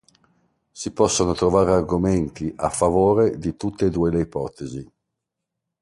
Si possono trovare argomenti a favore di tutte e due le ipotesi.